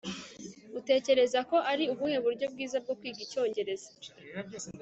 utekereza ko ari ubuhe buryo bwiza bwo kwiga icyongereza